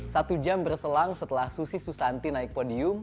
satu jam berselang setelah susi susanti naik podium